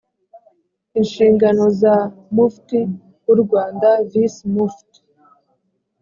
inshingano za mufti w u rwanda visi mufti